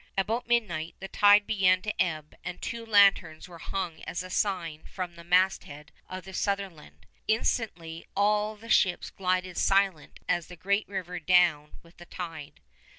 About midnight the tide began to ebb, and two lanterns were hung as a sign from the masthead of the Sutherland. Instantly all the ships glided silent as the great river down with the tide.